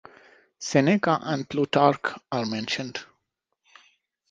Seneca and Plutarch are mentioned.